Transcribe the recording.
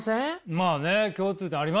まあね。